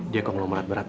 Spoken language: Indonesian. dia konglomerat berat